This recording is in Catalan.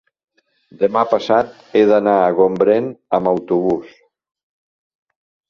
demà passat he d'anar a Gombrèn amb autobús.